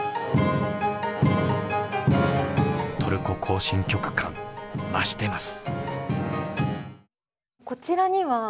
「トルコ行進曲」感増してます。